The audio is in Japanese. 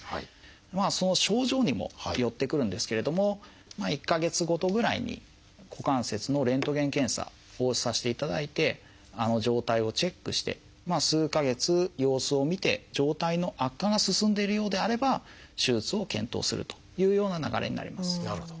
その症状にもよってくるんですけれども１か月ごとぐらいに股関節のレントゲン検査をさせていただいて状態をチェックして数か月様子を見て状態の悪化が進んでいるようであれば手術を検討するというような流れになります。